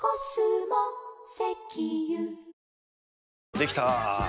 できたぁ。